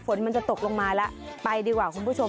ฝนมันจะตกลงมาแล้วไปดีกว่าคุณผู้ชม